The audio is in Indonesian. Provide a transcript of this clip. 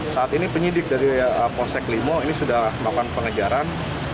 saat ini penyidik dari possek lima ini sudah makan pengejaran